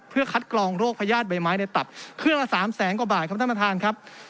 เพื่อคัดกรองโรคพญาติใบไม้ในตับเครื่องละ๓แสนกว่าบาทครับท่านประธานครับ